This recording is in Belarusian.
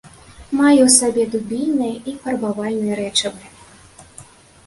Мае ў сабе дубільныя і фарбавальныя рэчывы.